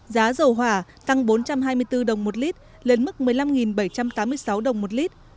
giá dầu hỏa tăng bốn trăm hai mươi bốn đồng một lít lên mức một mươi năm bảy trăm tám mươi sáu đồng một lít